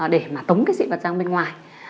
để mà tống cái dị vật ra bên ngoài